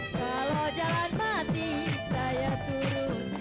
kalau jalan mati saya turun